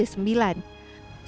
dan jawa mendapat kode sembilan